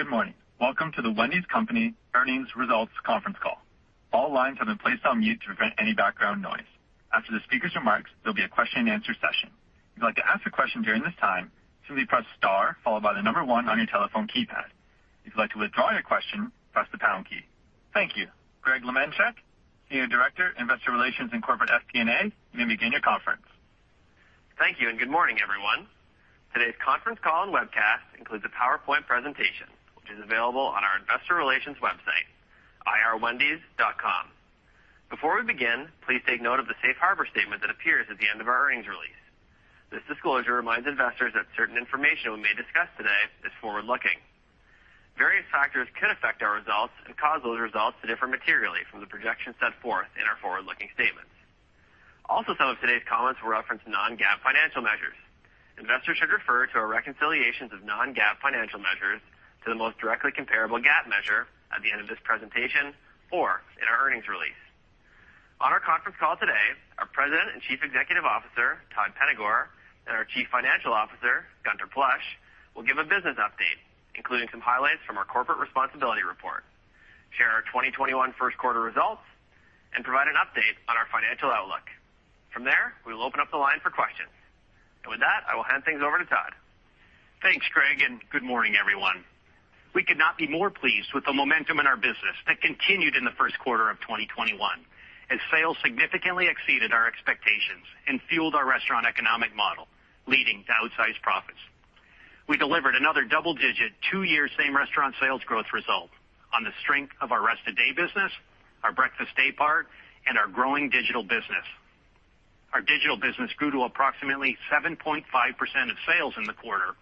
Good morning. Welcome to The Wendy's Company earnings results conference call. All lines have been placed on mute to prevent any background noise. After the speakers' remarks, there'll be a question and answer session. If you'd like to ask a question during this time, simply press star one on your telephone keypad. If you'd like to withdraw your question, press the pound key. Thank you. Greg Lemenchick, Senior Director, Investor Relations and Corporate FP&A, you may begin your conference. Thank you, and good morning, everyone. Today's conference call and webcast includes a PowerPoint presentation, which is available on our investor relations website, ir.wendys.com. Before we begin, please take note of the safe harbor statement that appears at the end of our earnings release. This disclosure reminds investors that certain information we may discuss today is forward-looking. Various factors could affect our results and cause those results to differ materially from the projections set forth in our forward-looking statements. Also, some of today's comments will reference non-GAAP financial measures. Investors should refer to our reconciliations of non-GAAP financial measures to the most directly comparable GAAP measure at the end of this presentation or in our earnings release. On our conference call today, our President and Chief Executive Officer, Todd Penegor, and our Chief Financial Officer, Gunther Plosch, will give a business update, including some highlights from our corporate responsibility report, share our 2021 first quarter results, and provide an update on our financial outlook. From there, we will open up the line for questions. With that, I will hand things over to Todd. Thanks, Greg, and good morning, everyone. We could not be more pleased with the momentum in our business that continued in the first quarter of 2021, as sales significantly exceeded our expectations and fueled our restaurant economic model, leading to outsized profits. We delivered another double-digit, two-year same restaurant sales growth result on the strength of our rest of day business, our breakfast daypart, and our growing digital business. Our digital business grew to approximately 7.5% of sales in the quarter,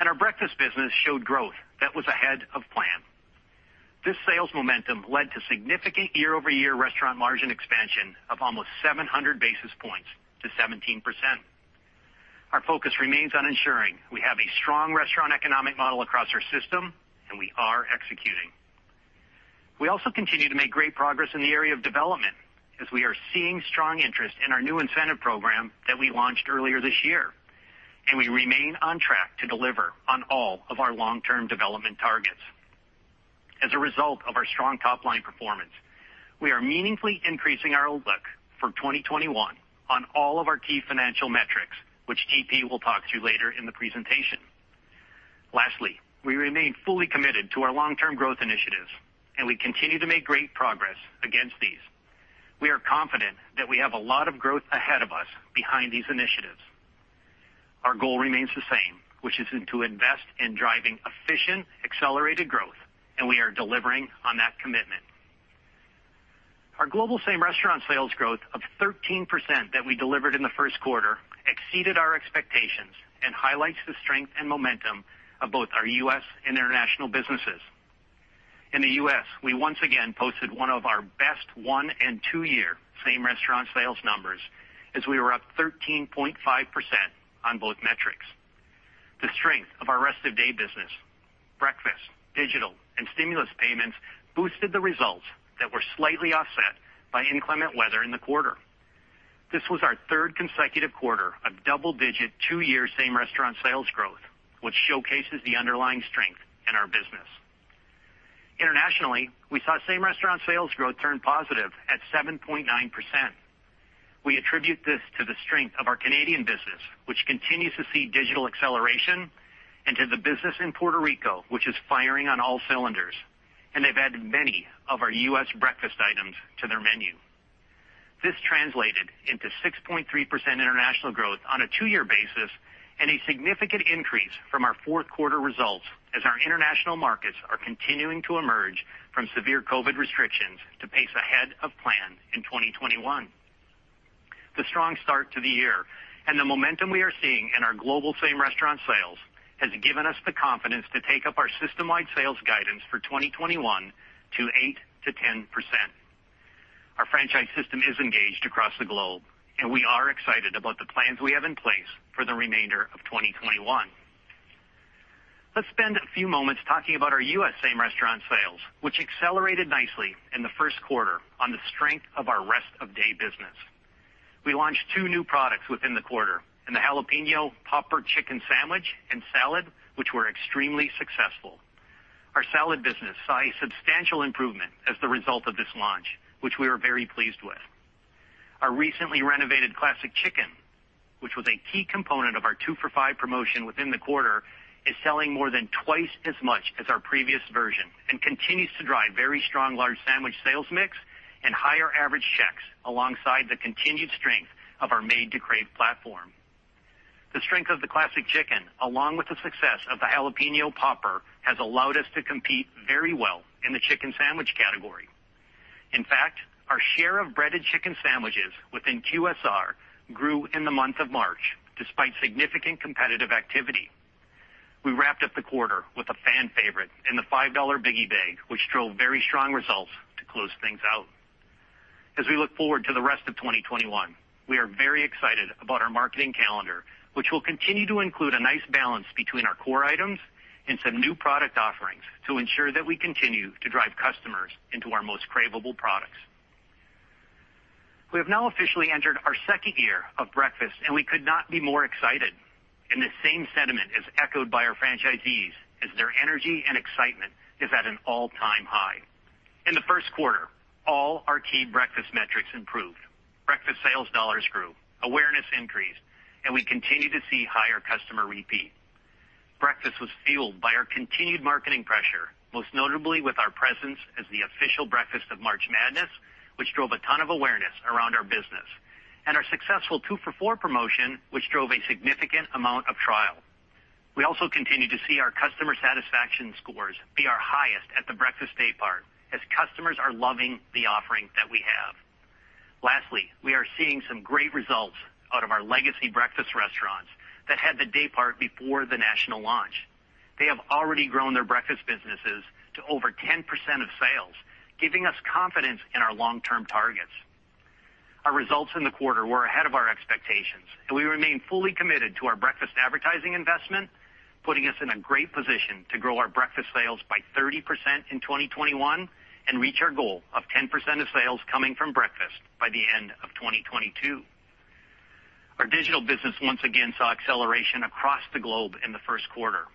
and our breakfast business showed growth that was ahead of plan. This sales momentum led to significant year-over-year restaurant margin expansion of almost 700 basis points to 17%. Our focus remains on ensuring we have a strong restaurant economic model across our system, and we are executing. We also continue to make great progress in the area of development as we are seeing strong interest in our new incentive program that we launched earlier this year, and we remain on track to deliver on all of our long-term development targets. As a result of our strong top-line performance, we are meaningfully increasing our outlook for 2021 on all of our key financial metrics, which GP will talk to later in the presentation. Lastly, we remain fully committed to our long-term growth initiatives, and we continue to make great progress against these. We are confident that we have a lot of growth ahead of us behind these initiatives. Our goal remains the same, which is to invest in driving efficient, accelerated growth, and we are delivering on that commitment. Our global same restaurant sales growth of 13% that we delivered in the first quarter exceeded our expectations and highlights the strength and momentum of both our U.S. and international businesses. In the U.S., we once again posted one of our best one and two year same restaurant sales numbers as we were up 13.5% on both metrics. The strength of our rest of day business, breakfast, digital, and stimulus payments boosted the results that were slightly offset by inclement weather in the quarter. This was our third consecutive quarter of double-digit, two year same restaurant sales growth, which showcases the underlying strength in our business. Internationally, we saw same restaurant sales growth turn positive at 7.9%. We attribute this to the strength of our Canadian business, which continues to see digital acceleration, and to the business in Puerto Rico, which is firing on all cylinders, and they've added many of our U.S. breakfast items to their menu. This translated into 6.3% international growth on a two-year basis and a significant increase from our fourth quarter results as our international markets are continuing to emerge from severe COVID restrictions to pace ahead of plan in 2021. The strong start to the year and the momentum we are seeing in our global same restaurant sales has given us the confidence to take up our system-wide sales guidance for 2021 to 8%-10%. Our franchise system is engaged across the globe, we are excited about the plans we have in place for the remainder of 2021. Let's spend a few moments talking about our U.S. same restaurant sales, which accelerated nicely in the first quarter on the strength of our rest of day business. We launched two new products within the quarter in the Jalapeño Popper Chicken Sandwich and Salad, which were extremely successful. Our salad business saw a substantial improvement as the result of this launch, which we were very pleased with. Our recently renovated Classic Chicken, which was a key component of our two for five promotion within the quarter, is selling more than twice as much as our previous version and continues to drive very strong large sandwich sales mix and higher average checks alongside the continued strength of our Made to Crave platform. The strength of the Classic Chicken, along with the success of the Jalapeño Popper, has allowed us to compete very well in the chicken sandwich category. In fact, our share of breaded chicken sandwiches within QSR grew in the month of March despite significant competitive activity. We wrapped up the quarter with a fan favorite in the $5 Biggie Bag, which drove very strong results to close things out. We look forward to the rest of 2021, we are very excited about our marketing calendar, which will continue to include a nice balance between our core items and some new product offerings to ensure that we continue to drive customers into our most craveable products. We have now officially entered our second year of breakfast, and we could not be more excited, and the same sentiment is echoed by our franchisees as their energy and excitement is at an all-time high. In the first quarter, all our key breakfast metrics improved. Breakfast sales dollars grew, awareness increased. We continue to see higher customer repeat. Breakfast was fueled by our continued marketing pressure, most notably with our presence as the official breakfast of March Madness, which drove a ton of awareness around our business, and our successful two for four promotion, which drove a significant amount of trial. We also continue to see our customer satisfaction scores be our highest at the breakfast daypart as customers are loving the offering that we have. Lastly, we are seeing some great results out of our legacy breakfast restaurants that had the daypart before the national launch. They have already grown their breakfast businesses to over 10% of sales, giving us confidence in our long-term targets. Our results in the quarter were ahead of our expectations, and we remain fully committed to our breakfast advertising investment, putting us in a great position to grow our breakfast sales by 30% in 2021 and reach our goal of 10% of sales coming from breakfast by the end of 2022. Our digital business once again saw acceleration across the globe in the first quarter.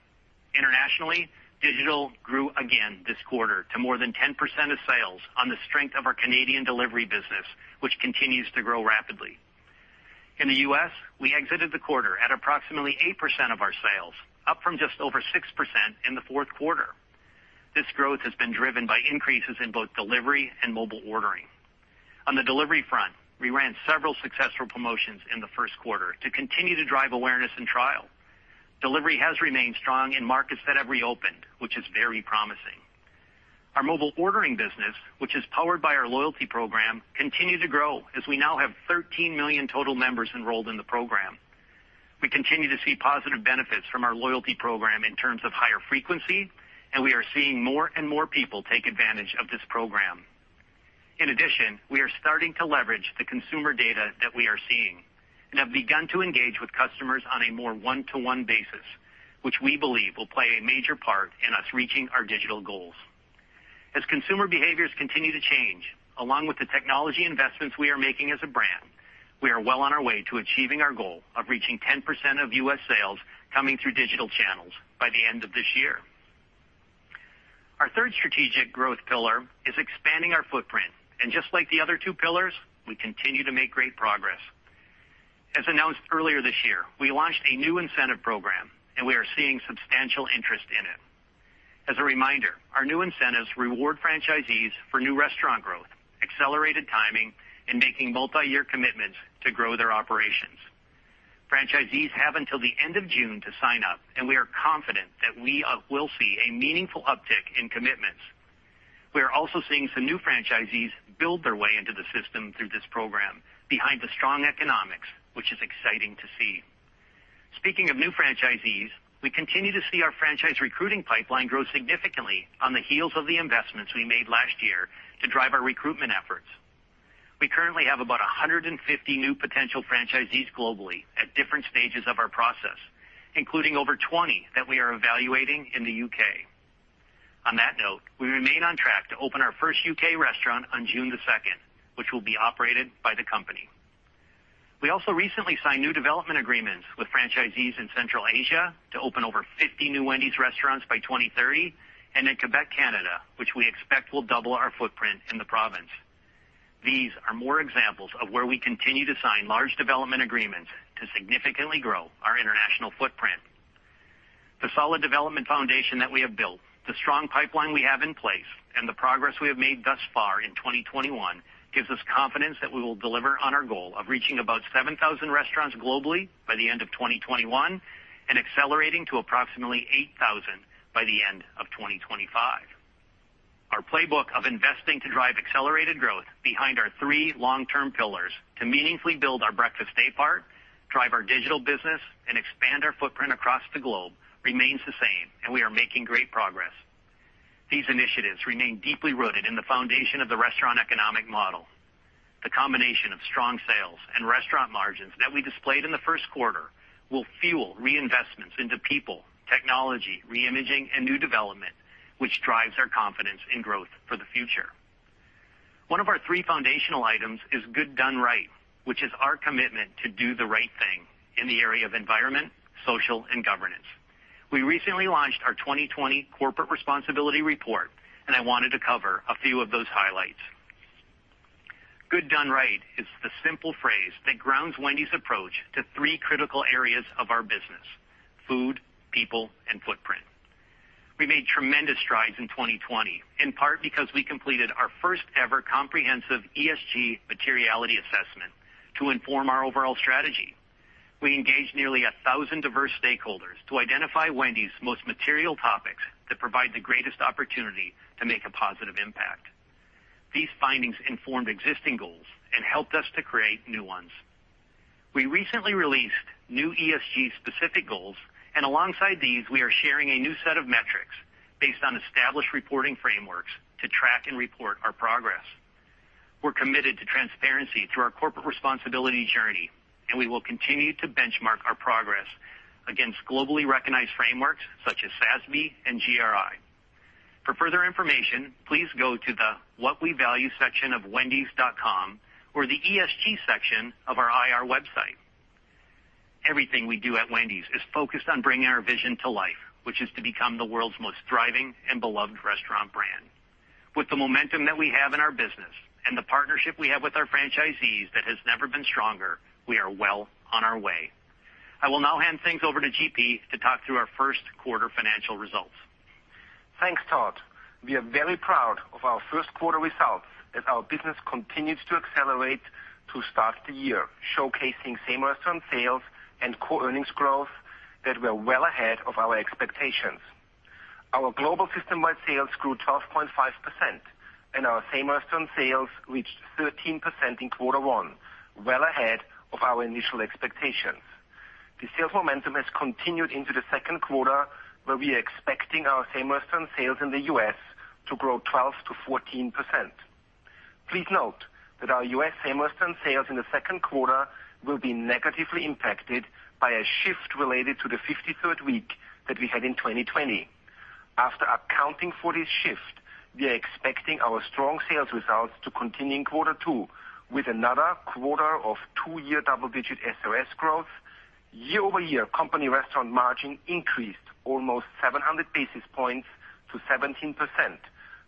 Internationally, digital grew again this quarter to more than 10% of sales on the strength of our Canadian delivery business, which continues to grow rapidly. In the U.S., we exited the quarter at approximately 8% of our sales, up from just over 6% in the fourth quarter. This growth has been driven by increases in both delivery and mobile ordering. On the delivery front, we ran several successful promotions in the first quarter to continue to drive awareness and trial. Delivery has remained strong in markets that have reopened, which is very promising. Our mobile ordering business, which is powered by our loyalty program, continued to grow as we now have 13 million total members enrolled in the program. We continue to see positive benefits from our loyalty program in terms of higher frequency, and we are seeing more and more people take advantage of this program. In addition, we are starting to leverage the consumer data that we are seeing and have begun to engage with customers on a more one-to-one basis, which we believe will play a major part in us reaching our digital goals. As consumer behaviors continue to change, along with the technology investments we are making as a brand, we are well on our way to achieving our goal of reaching 10% of U.S. sales coming through digital channels by the end of this year. Our third strategic growth pillar is expanding our footprint, and just like the other two pillars, we continue to make great progress. As announced earlier this year, we launched a new incentive program, and we are seeing substantial interest in it. As a reminder, our new incentives reward franchisees for new restaurant growth, accelerated timing, and making multiyear commitments to grow their operations. Franchisees have until the end of June to sign up, and we are confident that we will see a meaningful uptick in commitments. We are also seeing some new franchisees build their way into the system through this program behind the strong economics, which is exciting to see. Speaking of new franchisees, we continue to see our franchise recruiting pipeline grow significantly on the heels of the investments we made last year to drive our recruitment efforts. We currently have about 150 new potential franchisees globally at different stages of our process, including over 20 that we are evaluating in the U.K. On that note, we remain on track to open our first U.K. restaurant on June 2nd, which will be operated by the company. We also recently signed new development agreements with franchisees in Central Asia to open over 50 new Wendy’s restaurants by 2030, and in Quebec, Canada, which we expect will double our footprint in the province. These are more examples of where we continue to sign large development agreements to significantly grow our international footprint. The solid development foundation that we have built, the strong pipeline we have in place, and the progress we have made thus far in 2021 gives us confidence that we will deliver on our goal of reaching about 7,000 restaurants globally by the end of 2021 and accelerating to approximately 8,000 by the end of 2025. Our playbook of investing to drive accelerated growth behind our three long-term pillars to meaningfully build our breakfast daypart, drive our digital business, and expand our footprint across the globe remains the same, and we are making great progress. These initiatives remain deeply rooted in the foundation of the restaurant economic model. The combination of strong sales and restaurant margins that we displayed in the first quarter will fuel reinvestments into people, technology, re-imaging, and new development, which drives our confidence in growth for the future. One of our three foundational items is Good Done Right, which is our commitment to do the right thing in the area of environment, social, and governance. We recently launched our 2020 corporate responsibility report, and I wanted to cover a few of those highlights. Good Done Right is the simple phrase that grounds Wendy’s approach to three critical areas of our business, food, people, and footprint. We made tremendous strides in 2020, in part because we completed our first ever comprehensive ESG materiality assessment to inform our overall strategy. We engaged nearly 1,000 diverse stakeholders to identify Wendy’s most material topics that provide the greatest opportunity to make a positive impact. These findings informed existing goals and helped us to create new ones. We recently released new ESG specific goals, and alongside these, we are sharing a new set of metrics based on established reporting frameworks to track and report our progress. We're committed to transparency through our corporate responsibility journey, and we will continue to benchmark our progress against globally recognized frameworks such as SASB and GRI. For further information, please go to the What We Value section of wendys.com or the ESG section of our IR website. Everything we do at Wendy's is focused on bringing our vision to life, which is to become the world's most thriving and beloved restaurant brand. With the momentum that we have in our business and the partnership we have with our franchisees that has never been stronger, we are well on our way. I will now hand things over to GP to talk through our first quarter financial results. Thanks, Todd. We are very proud of our first quarter results as our business continues to accelerate to start the year, showcasing same-restaurant sales and core earnings growth that were well ahead of our expectations. Our global system-wide sales grew 12.5%, our same-restaurant sales reached 13% in quarter one, well ahead of our initial expectations. The sales momentum has continued into the second quarter, where we are expecting our same-restaurant sales in the U.S. to grow 12%-14%. Please note that our U.S. same-restaurant sales in the second quarter will be negatively impacted by a shift related to the 53rd week that we had in 2020. After accounting for this shift, we are expecting our strong sales results to continue in quarter two with another quarter of two year double-digit SRS growth. Year-over-year company restaurant margin increased almost 700 basis points to 17%,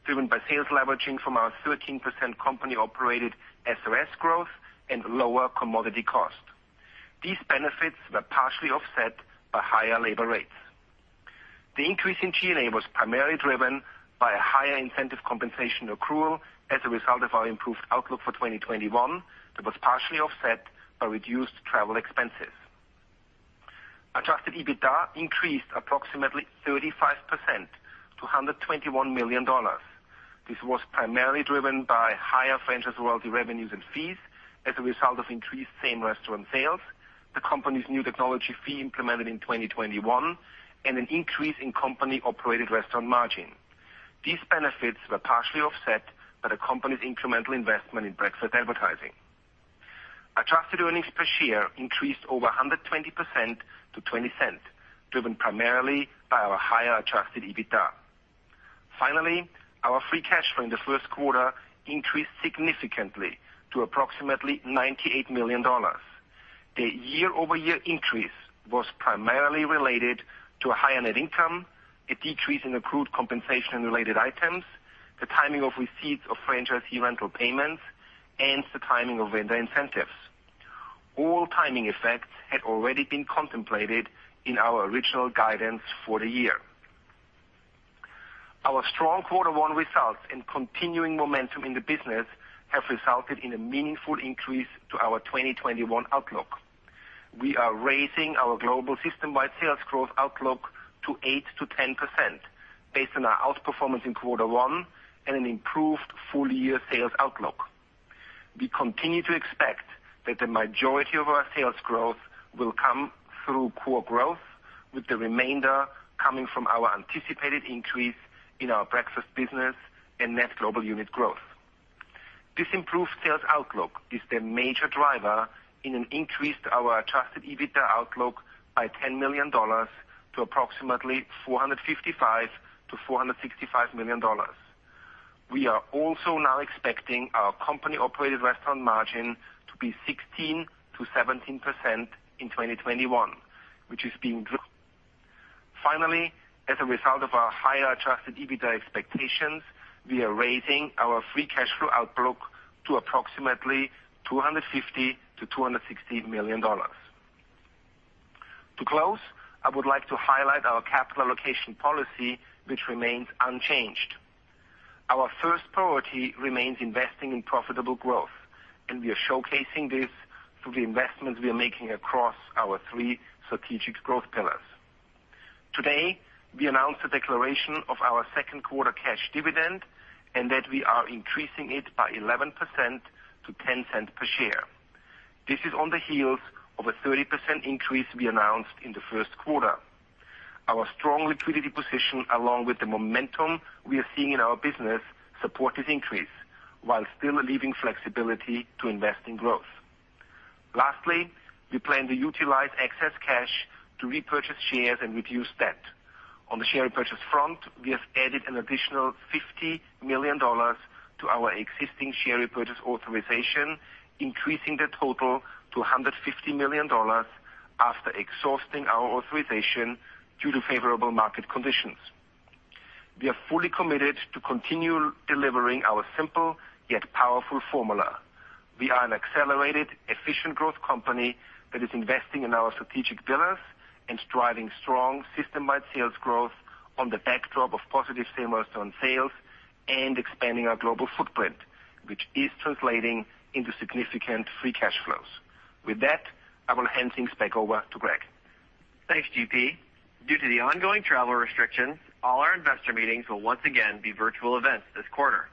driven by sales leveraging from our 13% company-operated SRS growth and lower commodity cost. These benefits were partially offset by higher labor rates. The increase in G&A was primarily driven by a higher incentive compensation accrual as a result of our improved outlook for 2021 that was partially offset by reduced travel expenses. Adjusted EBITDA increased approximately 35% to $121 million. This was primarily driven by higher franchise royalty revenues and fees as a result of increased same-restaurant sales, the company's new technology fee implemented in 2021, and an increase in company-operated restaurant margin. These benefits were partially offset by the company's incremental investment in breakfast advertising. Adjusted earnings per share increased over 120% to $0.20, driven primarily by our higher adjusted EBITDA. Finally, our free cash flow in the first quarter increased significantly to approximately $98 million. The year-over-year increase was primarily related to a higher net income, a decrease in accrued compensation and related items, the timing of receipts of franchisee rental payments, and the timing of vendor incentives. All timing effects had already been contemplated in our original guidance for the year. Our strong quarter one results and continuing momentum in the business have resulted in a meaningful increase to our 2021 outlook. We are raising our global system-wide sales growth outlook to 8%-10%, based on our outperformance in quarter one and an improved full-year sales outlook. We continue to expect that the majority of our sales growth will come through core growth, with the remainder coming from our anticipated increase in our breakfast business and net global unit growth. This improved sales outlook is the major driver in an increase to our adjusted EBITDA outlook by $10 million to approximately $455 million-$465 million. We are also now expecting our company-operated restaurant margin to be 16%-17% in 2021, which is being driven. As a result of our higher adjusted EBITDA expectations, we are raising our free cash flow outlook to approximately $250 million-$260 million. To close, I would like to highlight our capital allocation policy, which remains unchanged. Our first priority remains investing in profitable growth, and we are showcasing this through the investments we are making across our three strategic growth pillars. Today, we announced the declaration of our second quarter cash dividend and that we are increasing it by 11% to $0.10 per share. This is on the heels of a 30% increase we announced in the first quarter. Our strong liquidity position, along with the momentum we are seeing in our business, support this increase while still leaving flexibility to invest in growth. Lastly, we plan to utilize excess cash to repurchase shares and reduce debt. On the share repurchase front, we have added an additional $50 million to our existing share repurchase authorization, increasing the total to $150 million after exhausting our authorization due to favorable market conditions. We are fully committed to continue delivering our simple yet powerful formula. We are an accelerated, efficient growth company that is investing in our strategic pillars and driving strong system-wide sales growth on the backdrop of positive same-restaurant sales and expanding our global footprint, which is translating into significant free cash flows. With that, I will hand things back over to Greg. Thanks, GP. Due to the ongoing travel restrictions, all our investor meetings will once again be virtual events this quarter.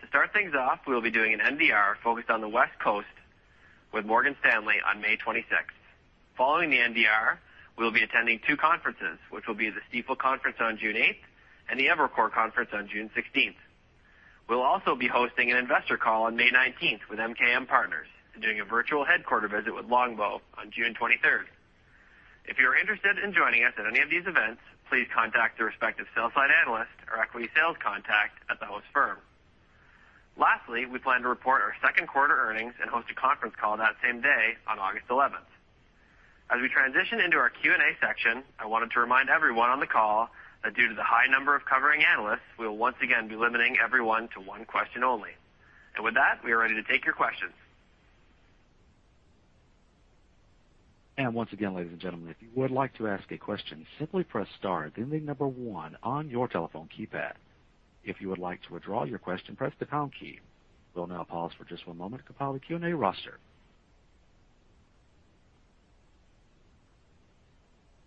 To start things off, we will be doing an NDR focused on the West Coast with Morgan Stanley on May 26th. Following the NDR, we will be attending two conferences, which will be the Stifel Conference on June 8th and the Evercore Conference on June 16th. We will also be hosting an investor call on May 19th with MKM Partners and doing a virtual headquarter visit with Longbow on June 23rd. If you are interested in joining us at any of these events, please contact the respective sell-side analyst or equity sales contact at the host firm. Lastly, we plan to report our second quarter earnings and host a conference call that same day on August 11th. As we transition into our Q&A section, I wanted to remind everyone on the call that due to the high number of covering analysts, we'll once again be limiting everyone to one question only. With that, we are ready to take your questions.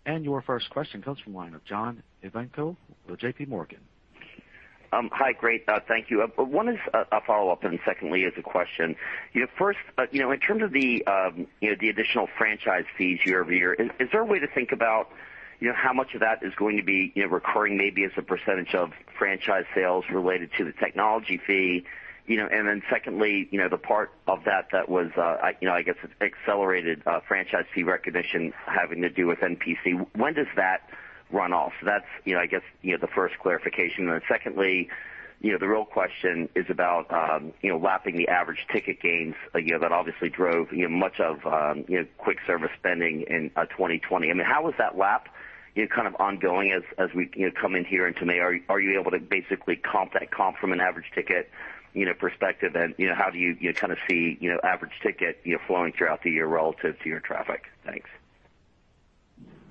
Your first question comes from the line of John Ivankoe with JPMorgan. Hi. Great. Thank you. One is a follow-up. Secondly is a question. First, in terms of the additional franchise fees year-over-year, is there a way to think about how much of that is going to be recurring, maybe as a percentage of franchise sales related to the technology fee? Secondly, the part of that that was, I guess, accelerated franchise fee recognition having to do with NPC. When does that run off? That's, I guess, the first clarification. Secondly, the real question is about lapping the average ticket gains that obviously drove much of quick service spending in 2020. I mean, how is that lap kind of ongoing as we come in here into May? Are you able to basically comp that comp from an average ticket perspective? How do you kind of see average ticket flowing throughout the year relative to your traffic? Thanks.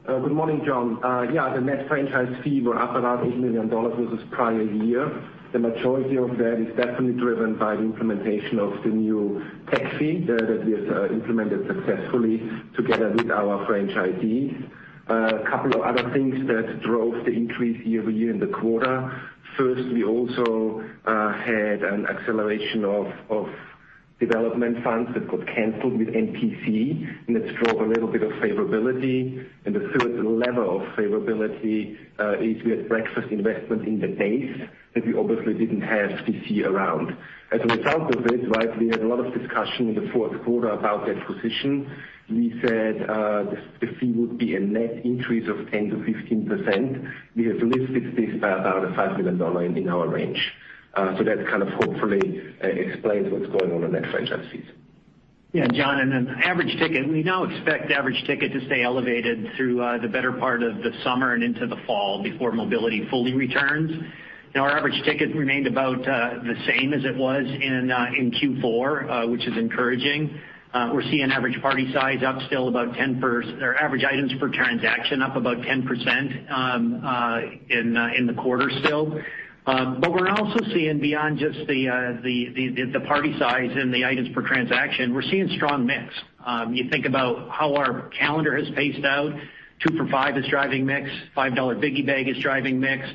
Good morning, John. Yeah, the net franchise fee were up around $8 million versus prior year. The majority of that is definitely driven by the implementation of the new tech fee that we have implemented successfully together with our franchisees. A couple of other things that drove the increase year-over-year in the quarter. First, we also had an acceleration of development funds that got canceled with NPC, and that drove a little bit of favorability. The third level of favorability is we had breakfast investment in the days that we obviously didn't have NPC around. As a result of it, we had a lot of discussion in the fourth quarter about that position. We said the fee would be a net increase of 10%-15%. We have delivered this by about a $5 million in our range. That kind of hopefully explains what's going on in that franchise fees. Yeah, John, average ticket, we now expect average ticket to stay elevated through the better part of the summer and into the fall before mobility fully returns. Our average ticket remained about the same as it was in Q4, which is encouraging. We're seeing average party size up still about 10%, or average items per transaction up about 10% in the quarter still. We're also seeing beyond just the party size and the items per transaction, we're seeing strong mix. You think about how our calendar has paced out. Two for five is driving mix. $5 Biggie Bag is driving mix.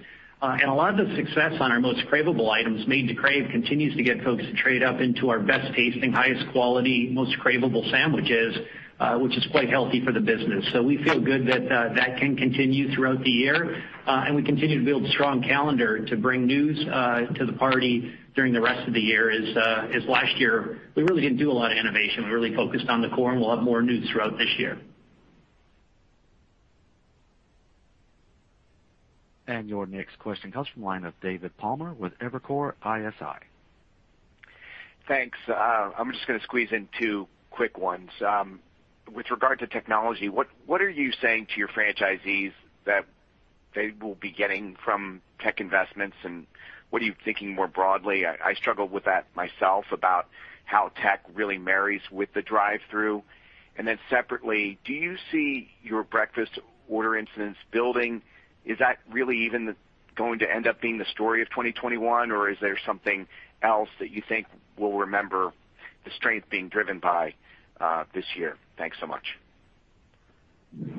A lot of the success on our most craveable items, Made to Crave, continues to get folks to trade up into our best tasting, highest quality, most craveable sandwiches, which is quite healthy for the business. We feel good that that can continue throughout the year. We continue to build a strong calendar to bring news to the party during the rest of the year, as last year, we really didn't do a lot of innovation. We really focused on the core, and we'll have more news throughout this year. Your next question comes from the line of David Palmer with Evercore ISI. Thanks. I'm just going to squeeze in two quick ones. With regard to technology, what are you saying to your franchisees that they will be getting from tech investments, and what are you thinking more broadly? I struggle with that myself about how tech really marries with the drive-thru. Separately, do you see your breakfast order incidents building? Is that really even going to end up being the story of 2021, or is there something else that you think we'll remember the strength being driven by this year? Thanks so much.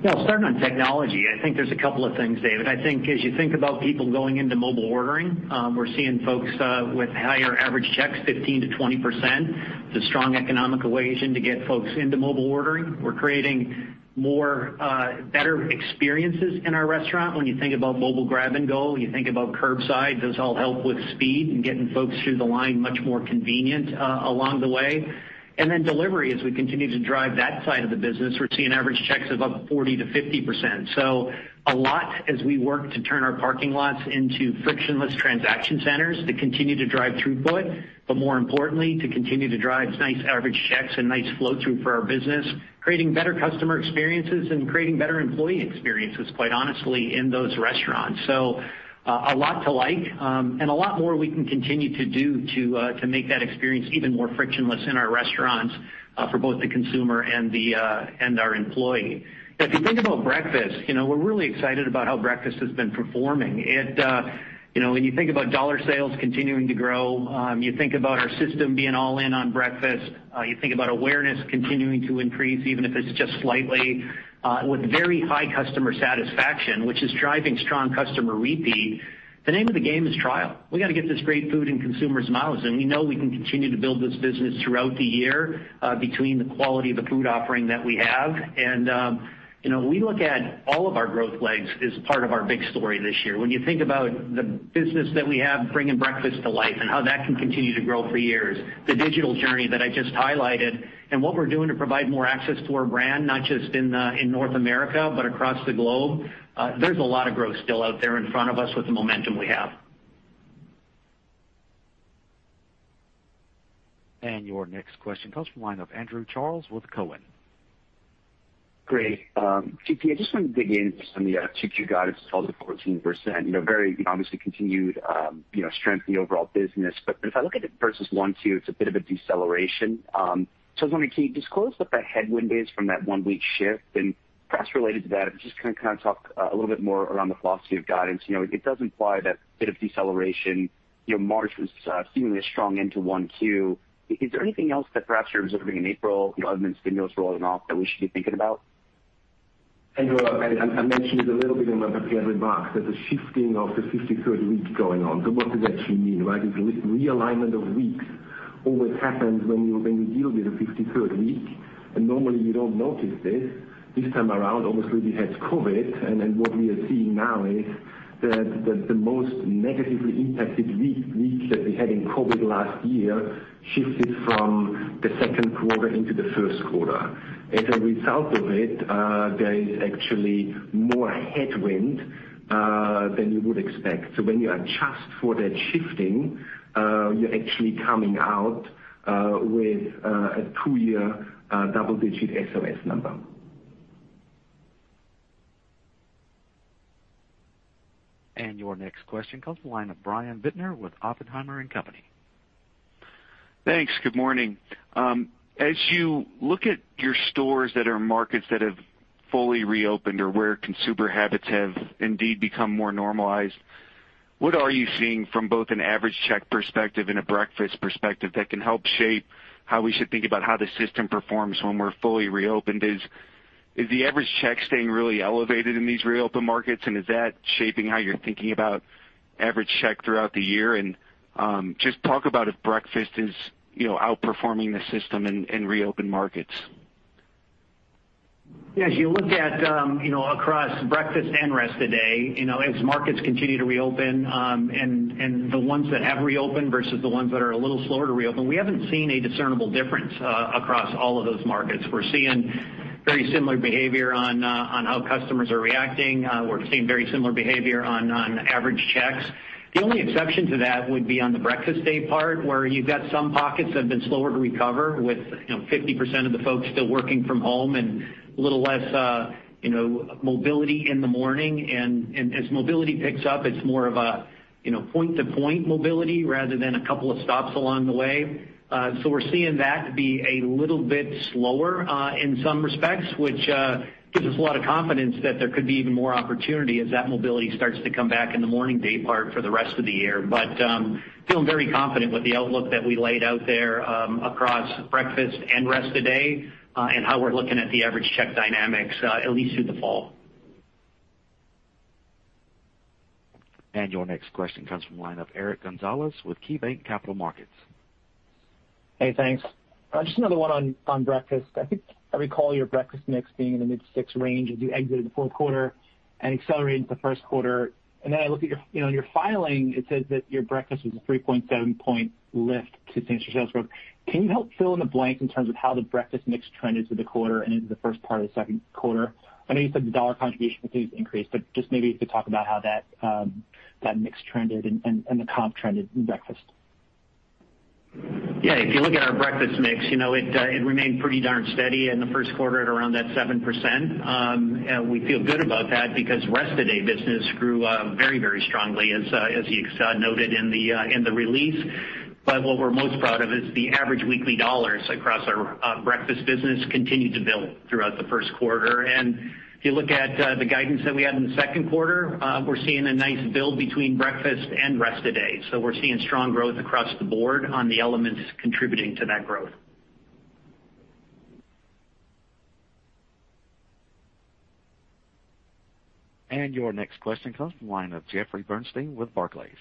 Starting on technology, I think there's a couple of things, David. I think as you think about people going into mobile ordering, we're seeing folks with higher average checks, 15%-20%, with a strong economic equation to get folks into mobile ordering. We're creating better experiences in our restaurant. When you think about mobile grab and go, you think about curbside. Those all help with speed and getting folks through the line much more convenient along the way. Delivery, as we continue to drive that side of the business, we're seeing average checks of up to 40%-50%. A lot as we work to turn our parking lots into frictionless transaction centers to continue to drive throughput, but more importantly, to continue to drive nice average checks and nice flow-through for our business, creating better customer experiences and creating better employee experiences, quite honestly, in those restaurants. A lot to like, and a lot more we can continue to do to make that experience even more frictionless in our restaurants for both the consumer and our employee. If you think about breakfast, we're really excited about how breakfast has been performing. When you think about dollar sales continuing to grow, you think about our system being all in on breakfast. You think about awareness continuing to increase, even if it's just slightly, with very high customer satisfaction, which is driving strong customer repeat. The name of the game is trial. We got to get this great food in consumers' mouths, and we know we can continue to build this business throughout the year between the quality of the food offering that we have. We look at all of our growth legs is part of our big story this year. When you think about the business that we have bringing breakfast to life and how that can continue to grow for years, the digital journey that I just highlighted, and what we're doing to provide more access to our brand, not just in North America, but across the globe, there's a lot of growth still out there in front of us with the momentum we have. Your next question comes from the line of Andrew Charles with Cowen. Great. GP, I just wanted to dig in just on the Q2 guidance, 12%-14%. Very obviously continued strength in the overall business. If I look at it versus 1Q, it's a bit of a deceleration. I was wondering, can you disclose what that headwind is from that one-week shift? Perhaps related to that, just talk a little bit more around the philosophy of guidance. It does imply that bit of deceleration. March was seemingly strong into 1Q. Is there anything else that perhaps you're observing in April other than stimulus rolling off that we should be thinking about? Andrew, I mentioned it a little bit in my prepared remarks. There's a shifting of the 53rd week going on. What does that actually mean, right? It's a realignment of weeks, always happens when we deal with a 53rd week, normally you don't notice this. This time around, obviously, we had COVID, what we are seeing now is that the most negatively impacted week that we had in COVID last year shifted from the second quarter into the first quarter. As a result of it, there is actually more headwind than you would expect. When you adjust for that shifting, you're actually coming out with a two-year double-digit SRS number. Your next question comes the line of Brian Bittner with Oppenheimer & Co. Thanks. Good morning. As you look at your stores that are in markets that have fully reopened or where consumer habits have indeed become more normalized, what are you seeing from both an average check perspective and a breakfast perspective that can help shape how we should think about how the system performs when we're fully reopened? Is the average check staying really elevated in these reopened markets, and is that shaping how you're thinking about average check throughout the year? Just talk about if breakfast is outperforming the system in reopened markets. Yeah. As you look at across breakfast and rest of day, as markets continue to reopen, and the ones that have reopened versus the ones that are a little slower to reopen, we haven't seen a discernible difference across all of those markets. We're seeing very similar behavior on how customers are reacting. We're seeing very similar behavior on average checks. The only exception to that would be on the breakfast day part, where you've got some pockets that have been slower to recover with 50% of the folks still working from home and a little less mobility in the morning. As mobility picks up, it's more of a point-to-point mobility rather than a couple of stops along the way. We're seeing that be a little bit slower in some respects, which gives us a lot of confidence that there could be even more opportunity as that mobility starts to come back in the morning day part for the rest of the year. Feeling very confident with the outlook that we laid out there across breakfast and rest of day, and how we're looking at the average check dynamics, at least through the fall. Your next question comes from the line of Eric Gonzalez with KeyBanc Capital Markets. Hey, thanks. Just another one on breakfast. I think I recall your breakfast mix being in the mid-six range as you exited the fourth quarter and accelerated into the first quarter. I look at your filing, it says that your breakfast was a 3.7-point lift to same-store sales growth. Can you help fill in the blanks in terms of how the breakfast mix trended through the quarter and into the first part of the second quarter? I know you said the dollar contribution continued to increase, but just maybe if you could talk about how that mix trended and the comp trended in breakfast. Yeah. If you look at our breakfast mix, it remained pretty darn steady in the first quarter at around that 7%. We feel good about that because rest of day business grew very strongly, as you noted in the release. What we're most proud of is the average weekly dollars across our breakfast business continued to build throughout the first quarter. If you look at the guidance that we had in the second quarter, we're seeing a nice build between breakfast and rest of day. We're seeing strong growth across the board on the elements contributing to that growth. Your next question comes from the line of Jeffrey Bernstein with Barclays.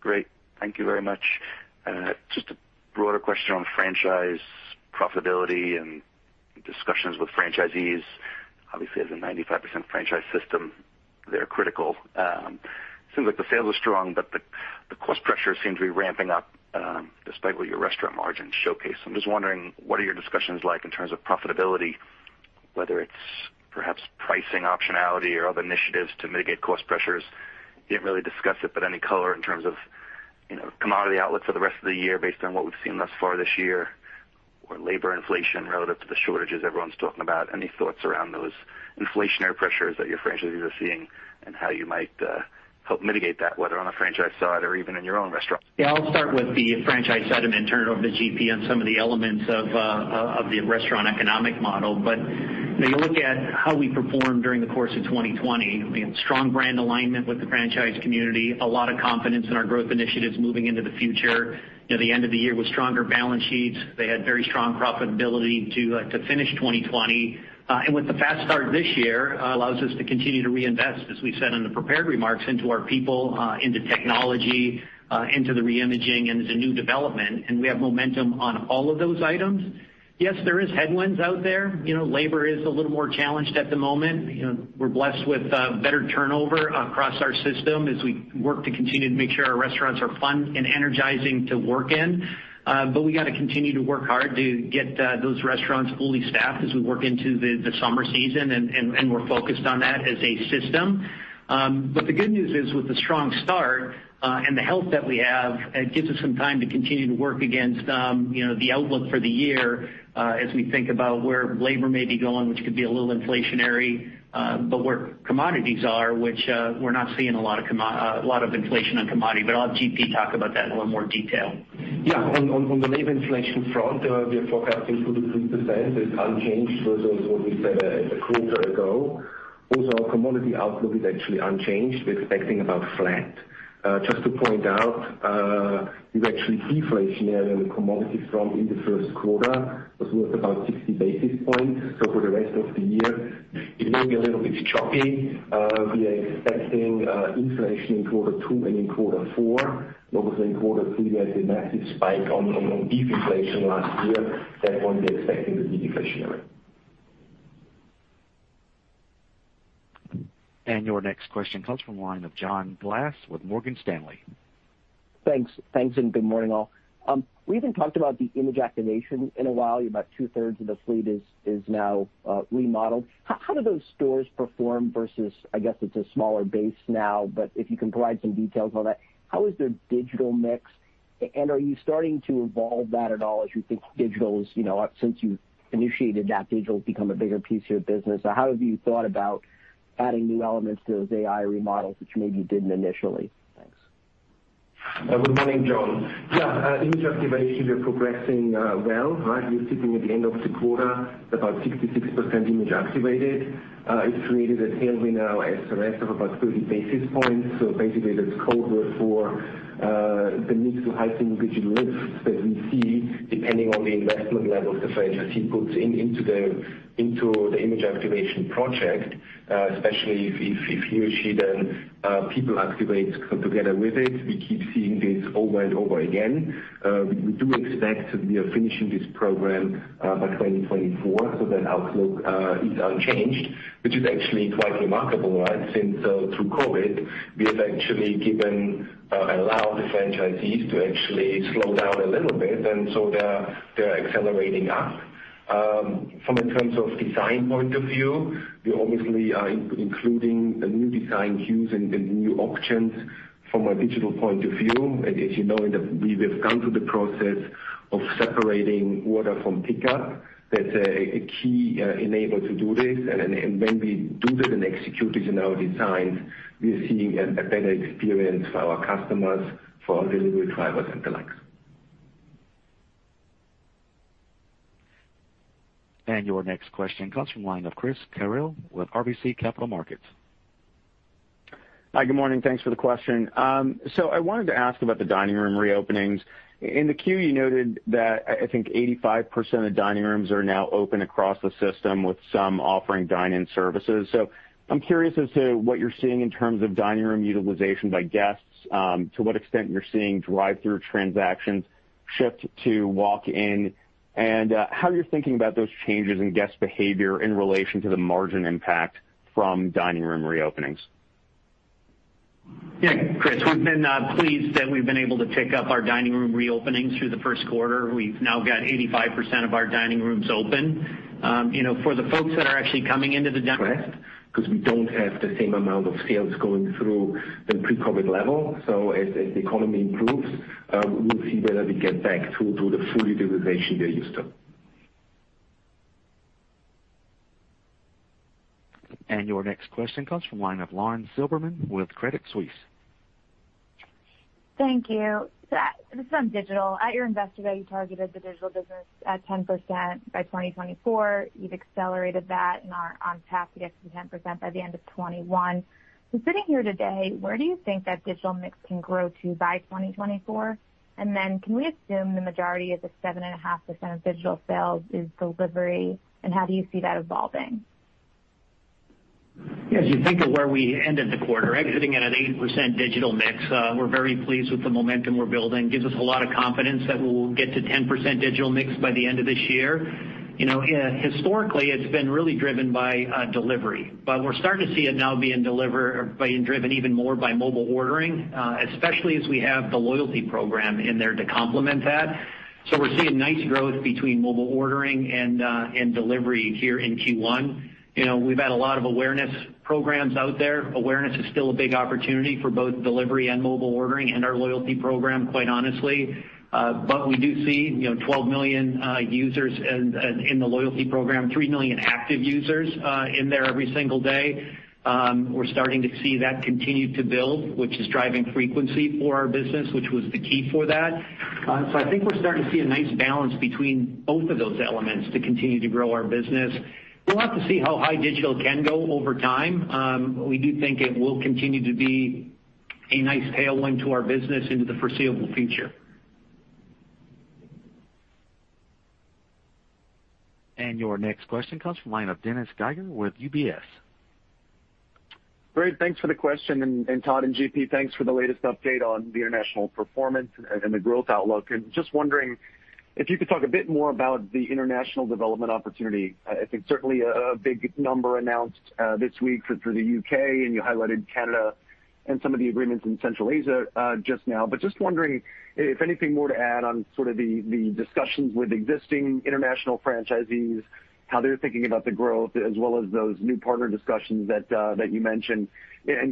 Great. Thank you very much. Just a broader question on franchise profitability and discussions with franchisees. Obviously, as a 95% franchise system, they're critical. Seems like the sales are strong, but the cost pressures seem to be ramping up, despite what your restaurant margins showcase. I'm just wondering, what are your discussions like in terms of profitability, whether it's perhaps pricing optionality or other initiatives to mitigate cost pressures? You didn't really discuss it, but any color in terms of commodity outlook for the rest of the year based on what we've seen thus far this year? Labor inflation relative to the shortages everyone's talking about. Any thoughts around those inflationary pressures that your franchisees are seeing, and how you might help mitigate that, whether on the franchise side or even in your own restaurant? Yeah, I'll start with the franchise side and then turn it over to GP on some of the elements of the restaurant economic model. You look at how we performed during the course of 2020. We had strong brand alignment with the franchise community, a lot of confidence in our growth initiatives moving into the future. The end of the year with stronger balance sheets. They had very strong profitability to finish 2020. With the fast start this year, allows us to continue to reinvest, as we said in the prepared remarks, into our people, into technology, into the re-imaging and the new development. We have momentum on all of those items. Yes, there is headwinds out there. Labor is a little more challenged at the moment. We're blessed with better turnover across our system as we work to continue to make sure our restaurants are fun and energizing to work in. We got to continue to work hard to get those restaurants fully staffed as we work into the summer season, and we're focused on that as a system. The good news is with the strong start, and the health that we have, it gives us some time to continue to work against the outlook for the year as we think about where labor may be going, which could be a little inflationary. Where commodities are, which we're not seeing a lot of inflation on commodity, but I'll have GP talk about that in a little more detail. Yeah. On the labor inflation front, we are forecasting 2%-3%. It's unchanged versus what we said a quarter ago. Our commodity outlook is actually unchanged. We're expecting about flat. Just to point out, we've actually deflationary on the commodity front in the first quarter. Was worth about 60 basis points. For the rest of the year, it may be a little bit choppy. We are expecting inflation in quarter two and in quarter four. Obviously, in quarter three, we had a massive spike on deflation last year. That one we are expecting to be deflationary. Your next question comes from the line of John Glass with Morgan Stanley. Thanks, and good morning, all. We haven't talked about the Image Activation in a while. About two-thirds of the fleet is now remodeled. How do those stores perform versus, I guess it's a smaller base now, but if you can provide some details on that. How is their digital mix, and are you starting to evolve that at all as you think Since you've initiated that, digital's become a bigger piece of your business. How have you thought about adding new elements to those IA remodels, which you maybe didn't initially? Thanks. Good morning, John. Image Activation, we are progressing well, right? We're sitting at the end of the quarter, about 66% Image Activated. It's created a tailwind now as the rest of about 30 basis points. Basically that's code word for the need to heighten digital lifts that we see depending on the investment level the franchisee puts into the Image Activation project. Especially if he or she then people activate together with it. We keep seeing this over and over again. We do expect to be finishing this program by 2024, so that outlook is unchanged, which is actually quite remarkable, right? Since through COVID, we have actually allowed the franchisees to actually slow down a little bit, and so they're accelerating up. From in terms of design point of view, we obviously are including new design cues and new options from a digital point of view. As you know, we have gone through the process of separating order from pickup. That's a key enabler to do this. When we do that and execute it in our designs, we are seeing a better experience for our customers, for our delivery drivers, and the like. Your next question comes from the line of Chris Carril with RBC Capital Markets. Hi, good morning. Thanks for the question. I wanted to ask about the dining room reopenings. In the Q, you noted that I think 85% of dining rooms are now open across the system, with some offering dine-in services. I'm curious as to what you're seeing in terms of dining room utilization by guests, to what extent you're seeing drive-through transactions shift to walk-in, and how you're thinking about those changes in guest behavior in relation to the margin impact from dining room reopenings. Yeah, Chris, we've been pleased that we've been able to pick up our dining room reopenings through the first quarter. We've now got 85% of our dining rooms open. For the folks that are actually coming into the- Rest, because we don't have the same amount of sales going through the pre-COVID level. As the economy improves, we will see whether we get back to the full utilization they're used to. Your next question comes from line of Lauren Silberman with Credit Suisse. Thank you. This is on digital. At your Investor Day, you targeted the digital business at 10% by 2024. You've accelerated that and are on path to get to 10% by the end of 2021. Sitting here today, where do you think that digital mix can grow to by 2024? Can we assume the majority of the 7.5% of digital sales is delivery, and how do you see that evolving? Yeah. As you think of where we ended the quarter, exiting at an 8% digital mix, we're very pleased with the momentum we're building. It gives us a lot of confidence that we will get to 10% digital mix by the end of this year. Historically, it's been really driven by delivery. We're starting to see it now being driven even more by mobile ordering, especially as we have the loyalty program in there to complement that. We're seeing nice growth between mobile ordering and delivery here in Q1. We've had a lot of awareness programs out there. Awareness is still a big opportunity for both delivery and mobile ordering and our loyalty program, quite honestly. We do see 12 million users in the loyalty program, three million active users in there every single day. We're starting to see that continue to build, which is driving frequency for our business, which was the key for that. I think we're starting to see a nice balance between both of those elements to continue to grow our business. We'll have to see how high digital can go over time. We do think it will continue to be a nice tailwind to our business into the foreseeable future. Your next question comes from line of Dennis Geiger with UBS. Great. Thanks for the question. Todd and GP, thanks for the latest update on the international performance and the growth outlook. Just wondering if you could talk a bit more about the international development opportunity. I think certainly a big number announced this week for the U.K., and you highlighted Canada and some of the agreements in Central Asia just now. Just wondering if anything more to add on sort of the discussions with existing international franchisees, how they're thinking about the growth, as well as those new partner discussions that you mentioned.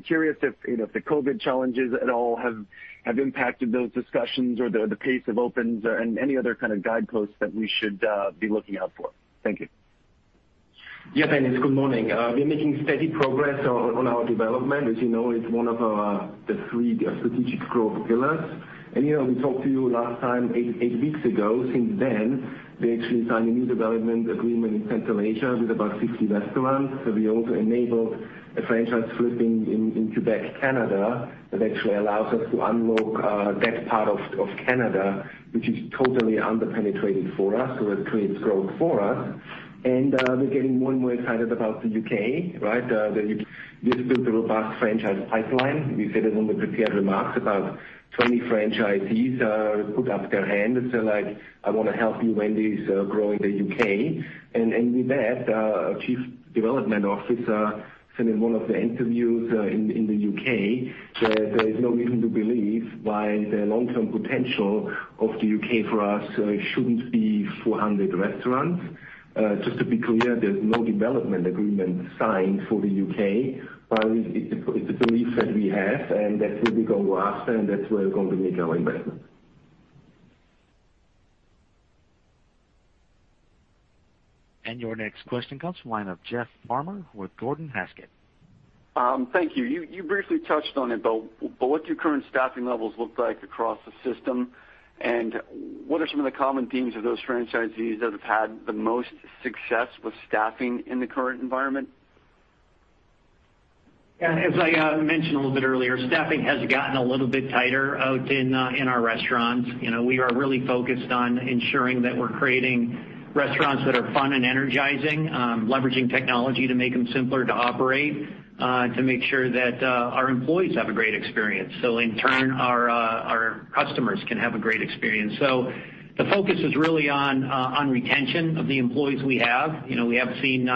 Curious if the COVID challenges at all have impacted those discussions or the pace of opens and any other kind of guideposts that we should be looking out for. Thank you. Yeah, Dennis. Good morning. We're making steady progress on our development. As you know, it's one of the three strategic growth pillars. We talked to you last time, eight weeks ago. Since then, we actually signed a new development agreement in Central Asia with about 60 restaurants. We also enabled a franchise flipping in Quebec, Canada, that actually allows us to unlock that part of Canada, which is totally under-penetrated for us, so it creates growth for us. We're getting more and more excited about the U.K., where you listed the robust franchise pipeline. We said in the prepared remarks about 20 franchisees put up their hand and said, "I want to help you, Wendy's, grow in the U.K." With that, our chief development officer said in one of the interviews in the U.K. that there is no reason to believe why the long-term potential of the U.K. for us shouldn't be 400 restaurants. Just to be clear, there's no development agreement signed for the U.K. It's a belief that we have, and that's what we're going to ask for, and that's where we're going to make our investment. Your next question comes from line of Jeff Farmer with Gordon Haskett. Thank you. You briefly touched on it, but what do current staffing levels look like across the system? What are some of the common themes of those franchisees that have had the most success with staffing in the current environment? As I mentioned a little bit earlier, staffing has gotten a little bit tighter out in our restaurants. We are really focused on ensuring that we're creating restaurants that are fun and energizing, leveraging technology to make them simpler to operate, to make sure that our employees have a great experience, so in turn, our customers can have a great experience. The focus is really on retention of the employees we have. We have seen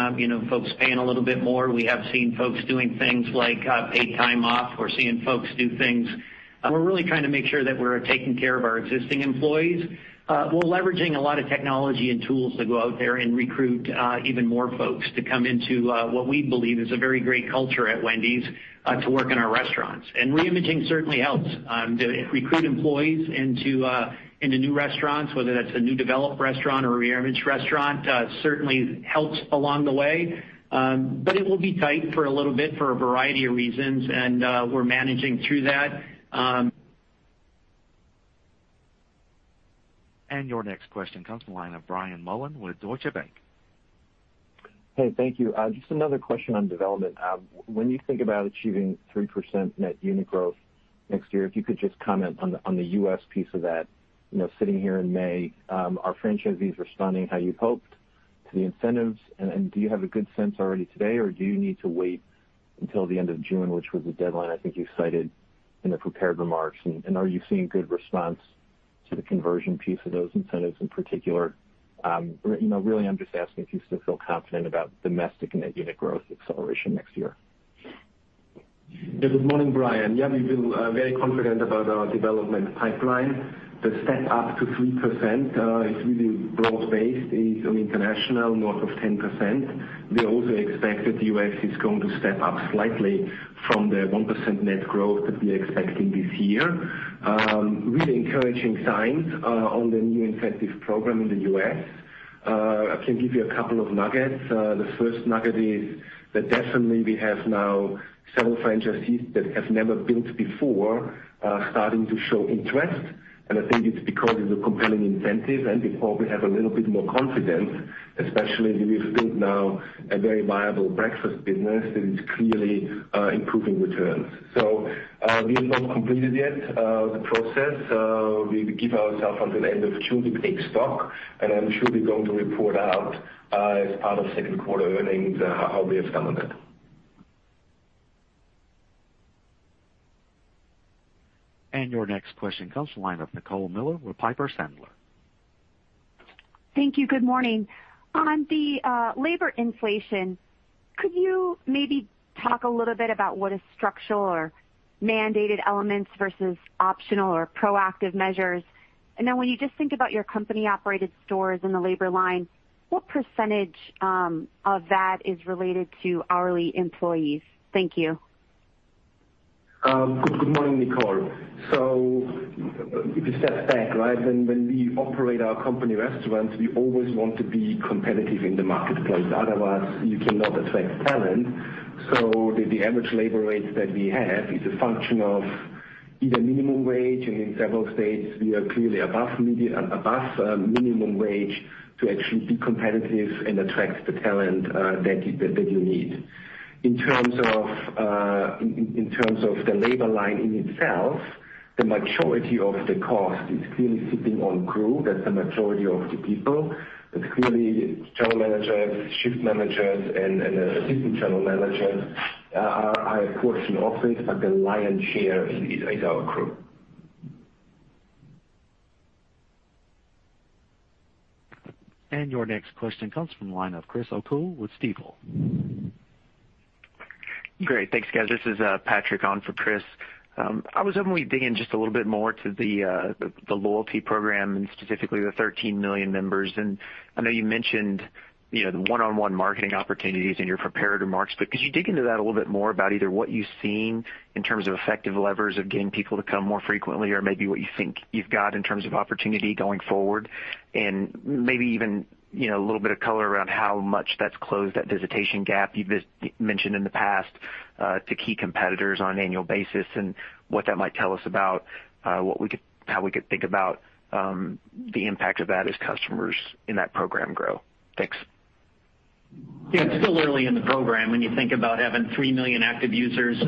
folks paying a little bit more. We have seen folks doing things like paid time off. We're really trying to make sure that we're taking care of our existing employees. We're leveraging a lot of technology and tools to go out there and recruit even more folks to come into what we believe is a very great culture at Wendy's to work in our restaurants. Reimaging certainly helps to recruit employees into new restaurants, whether that's a new developed restaurant or a reimaged restaurant, certainly helps along the way. It will be tight for a little bit for a variety of reasons, and we're managing through that. Your next question comes from line of Brian Mullan with Deutsche Bank. Hey, thank you. Just another question on development. When you think about achieving 3% net unit growth next year, if you could just comment on the U.S. piece of that. Sitting here in May, are franchisees responding how you'd hoped to the incentives? Do you have a good sense already today, or do you need to wait until the end of June, which was the deadline I think you cited in the prepared remarks? Are you seeing good response to the conversion piece of those incentives in particular? Really, I'm just asking if you still feel confident about domestic net unit growth acceleration next year. Good morning, Brian. Yeah, we've been very confident about our development pipeline. The step-up to 3% is really broad-based. It is on international, north of 10%. We also expect that the U.S. is going to step up slightly from the 1% net growth that we are expecting this year. Really encouraging signs on the new incentive program in the U.S. I can give you a couple of nuggets. The first nugget is that definitely we have now several franchisees that have never built before, starting to show interest. I think it's because of the compelling incentive and because we have a little bit more confidence, especially we've built now a very viable breakfast business that is clearly improving returns. We have not completed yet the process. We give ourselves until end of June to take stock, and I'm sure we're going to report out as part of second quarter earnings, how we have come on that. Your next question comes from line of Nicole Miller with Piper Sandler. Thank you. Good morning. On the labor inflation, could you maybe talk a little bit about what is structural or mandated elements versus optional or proactive measures? Then when you just think about your company-operated stores in the labor line, what percentage of that is related to hourly employees? Thank you. Good morning, Nicole. If you step back, when we operate our company restaurants, we always want to be competitive in the marketplace. Otherwise, you cannot attract talent. The average labor rates that we have is a function of either minimum wage, and in several states we are clearly above minimum wage to actually be competitive and attract the talent that you need. In terms of the labor line in itself, the majority of the cost is clearly sitting on crew. That's the majority of the people. It's clearly general managers, shift managers, and assistant general managers are, of course, in office, but the lion's share is our crew. Your next question comes from the line of Chris O'Cull with Stifel. Great. Thanks, guys. This is Patrick on for Chris. I was hoping we'd dig in just a little bit more to the loyalty program and specifically the 13 million members. I know you mentioned the one-on-one marketing opportunities in your prepared remarks, but could you dig into that a little bit more about either what you've seen in terms of effective levers of getting people to come more frequently, or maybe what you think you've got in terms of opportunity going forward? Maybe even a little bit of color around how much that's closed that visitation gap you've mentioned in the past to key competitors on an annual basis, and what that might tell us about how we could think about the impact of that as customers in that program grow. Thanks. Yeah. It's still early in the program when you think about having 3 million active users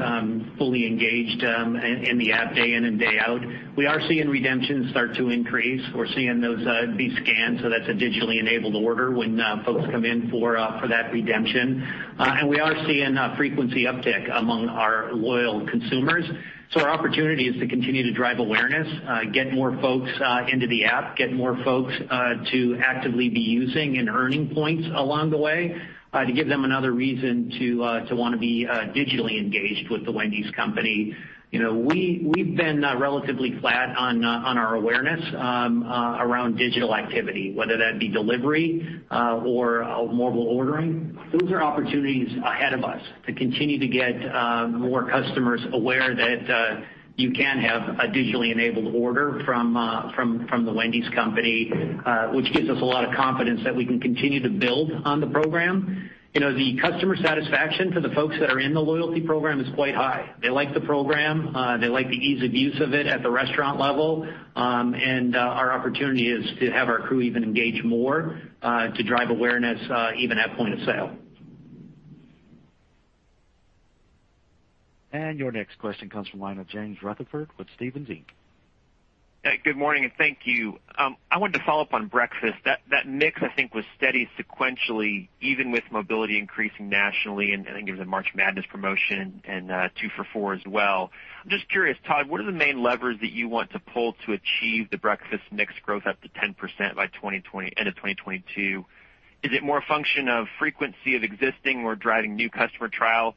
fully engaged in the app day in and day out. We are seeing redemptions start to increase. We're seeing those be scanned, so that's a digitally enabled order when folks come in for that redemption. We are seeing a frequency uptick among our loyal consumers. Our opportunity is to continue to drive awareness, get more folks into the app, get more folks to actively be using and earning points along the way to give them another reason to want to be digitally engaged with The Wendy's Company. We've been relatively flat on our awareness around digital activity, whether that be delivery or mobile ordering. Those are opportunities ahead of us to continue to get more customers aware that you can have a digitally enabled order from The Wendy's Company, which gives us a lot of confidence that we can continue to build on the program. The customer satisfaction for the folks that are in the loyalty program is quite high. They like the program. They like the ease of use of it at the restaurant level. Our opportunity is to have our crew even engage more to drive awareness even at point of sale. Your next question comes from the line of James Rutherford with Stephens Inc. Good morning, and thank you. I wanted to follow up on breakfast. That mix, I think, was steady sequentially, even with mobility increasing nationally, and I think there was a March Madness promotion and 2 for 4 as well. I'm just curious, Todd, what are the main levers that you want to pull to achieve the breakfast mix growth up to 10% by end of 2022? Is it more a function of frequency of existing or driving new customer trial?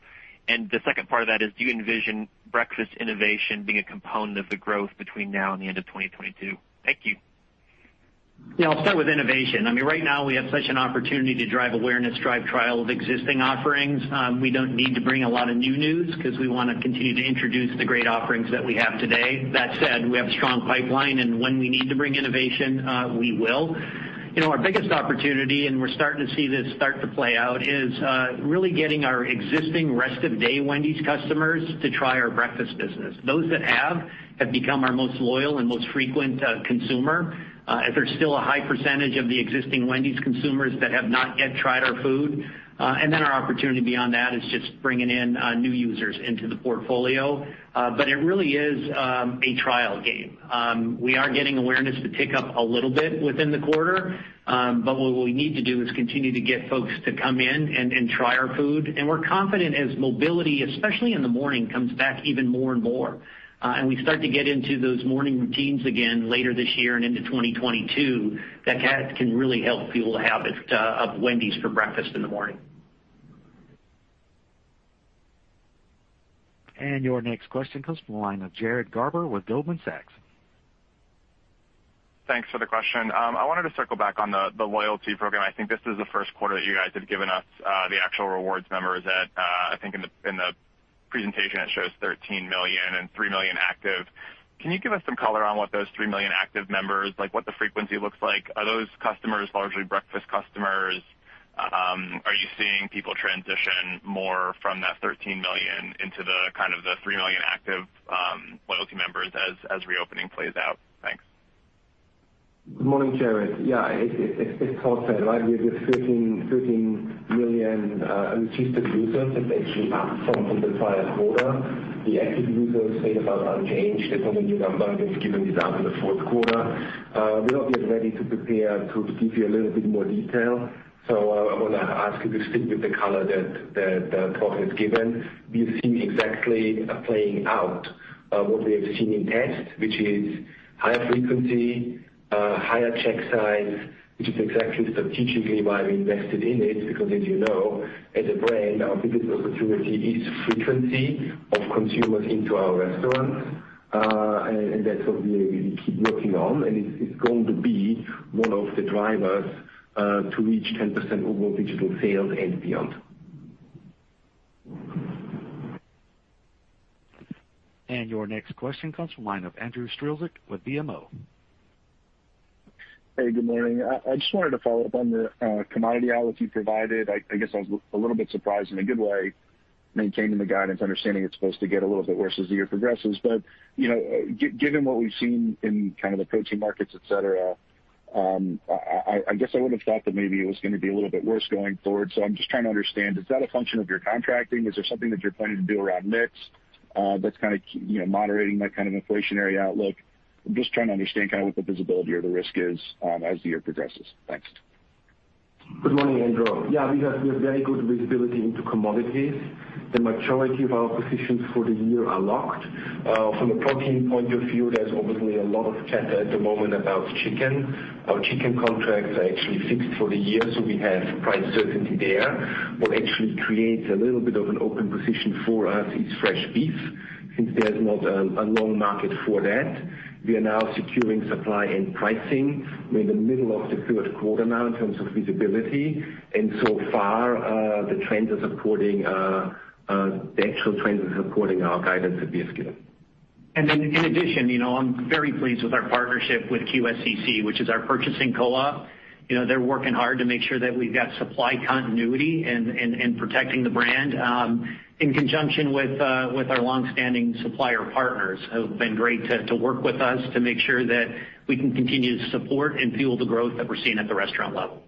The second part of that is, do you envision breakfast innovation being a component of the growth between now and the end of 2022? Thank you. Yeah, I'll start with innovation. Right now, we have such an opportunity to drive awareness, drive trial of existing offerings. We don't need to bring a lot of new news because we want to continue to introduce the great offerings that we have today. That said, we have a strong pipeline, and when we need to bring innovation, we will. Our biggest opportunity, and we're starting to see this start to play out, is really getting our existing rest of day Wendy's customers to try our breakfast business. Those that have become our most loyal and most frequent consumer. There's still a high percentage of the existing Wendy's consumers that have not yet tried our food. Our opportunity beyond that is just bringing in new users into the portfolio. It really is a trial game. We are getting awareness to tick up a little bit within the quarter. What we need to do is continue to get folks to come in and try our food. We're confident as mobility, especially in the morning, comes back even more and more, and we start to get into those morning routines again later this year and into 2022, that can really help fuel the habit of Wendy's for breakfast in the morning. Your next question comes from the line of Jared Garber with Goldman Sachs. Thanks for the question. I wanted to circle back on the loyalty program. I think this is the first quarter that you guys have given us the actual rewards numbers that I think in the presentation, it shows 13 million and 3 million active. Can you give us some color on what those 3 million active members, like what the frequency looks like? Are those customers largely breakfast customers? Are you seeing people transition more from that 13 million into the kind of the 3 million active loyalty members as reopening plays out? Thanks. Good morning, Jared. Yeah, it's hard to say, right? We have the 13 million registered users. That's actually up from the prior quarter. The active users stayed about unchanged. That's only a new number that's given this out in the fourth quarter. We're not yet ready to prepare to give you a little bit more detail. I want to ask you to stick with the color that Todd has given. We've seen exactly playing out what we have seen in tests, which is higher frequency, higher check size, which is exactly strategically why we invested in it, because as you know, as a brand, our biggest opportunity is frequency of consumers into our restaurants, and that's what we keep working on, and it's going to be one of the drivers to reach 10% overall digital sales and beyond. Your next question comes from the line of Andrew Strelzik with BMO. Hey, good morning. I just wanted to follow up on the commodity outlook you provided. I guess I was a little bit surprised in a good way, maintaining the guidance, understanding it's supposed to get a little bit worse as the year progresses. Given what we've seen in the protein markets, et cetera, I guess I would have thought that maybe it was going to be a little bit worse going forward. I'm just trying to understand, is that a function of your contracting? Is there something that you're planning to do around mix that's kind of moderating that kind of inflationary outlook? I'm just trying to understand what the visibility or the risk is as the year progresses. Thanks. Good morning, Andrew. Yeah, we have very good visibility into commodities. The majority of our positions for the year are locked. From a protein point of view, there's obviously a lot of chatter at the moment about chicken. Our chicken contracts are actually fixed for the year, so we have price certainty there. What actually creates a little bit of an open position for us is fresh beef, since there's not a long market for that. We are now securing supply and pricing. We're in the middle of the third quarter now in terms of visibility, and so far, the actual trends are supporting our guidance vigorously. In addition, I'm very pleased with our partnership with QSCC, which is our purchasing co-op. They're working hard to make sure that we've got supply continuity and protecting the brand in conjunction with our longstanding supplier partners who have been great to work with us to make sure that we can continue to support and fuel the growth that we're seeing at the restaurant level.